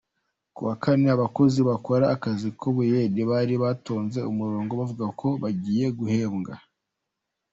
Kuwa kane, Abakozi bakora akazi k’ubuyede bari batonze umurongo bavuga ko bagiye guhembwa.